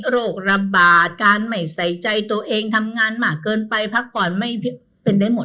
โรคระบาดการไม่ใส่ใจตัวเองทำงานมากเกินไปพักผ่อนไม่เป็นได้หมด